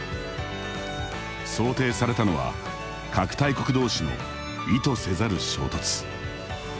想定されたのは核大国同士の意図せざる衝突。